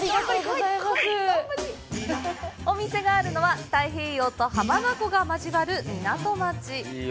お店があるのは、太平洋と浜名湖が交わる港町。